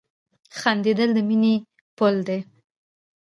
• خندېدل د مینې پل دی.